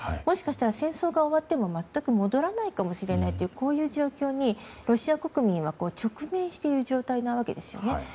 もしかしたら戦争が終わっても全く戻らないかもしれないというこういう状況にロシア国民は直面している状態なわけですよね。